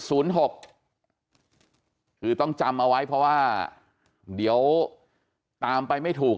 คือต้องจำเอาไว้เพราะว่าเดี๋ยวตามไปไม่ถูก